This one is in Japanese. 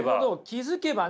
気付けば。